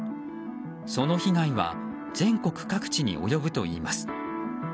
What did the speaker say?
その被害は全国各地に及ぶといいます。